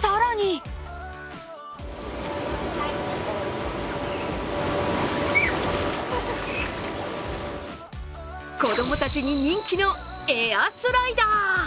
更に子どもたちに人気のエアスライダー。